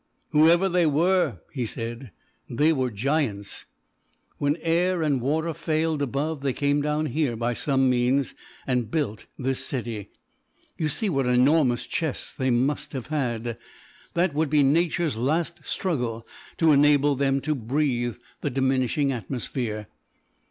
"Whoever they were," he said, "they were giants. When air and water failed above, they came down here by some means and built this city. You see what enormous chests they must have had. That would be Nature's last struggle to enable them to breathe the diminishing atmosphere.